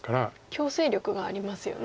強制力がありますよね。